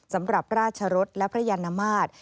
สำหรับราชรสและพระยานมาตร